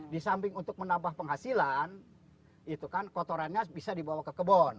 di samping untuk menambah penghasilan itu kan kotorannya bisa dibawa ke kebun